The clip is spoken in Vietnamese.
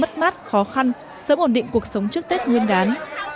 mất mát khó khăn sớm ổn định cuộc sống trước tết nguyên đán